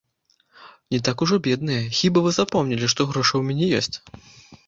Не так ужо бедныя, хіба вы запомнілі, што грошы ў мяне ёсць?